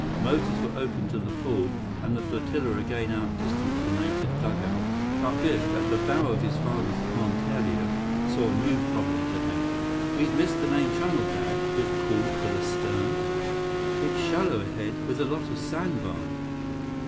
Motors were opened to the full, and the flotilla again outdistanced the native dugouts. But Biff, at the bow of his father's monteria, saw new problems ahead. "We've missed the main channel, Dad," Biff called to the stem. "It's shallow ahead, with a lot of sandbars."